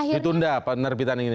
ditunda penerbitan ini